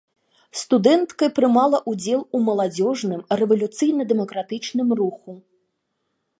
Студэнткай прымала ўдзел у маладзёжным рэвалюцыйна-дэмакратычным руху.